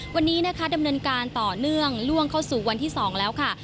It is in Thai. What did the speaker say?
วันนี้นะคะดำเนินการต่อเนื่องล่วงเข้าสู่วันที่๒แล้วค่ะ